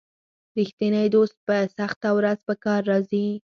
رښتینی دوست په سخته ورځ په کار راځي.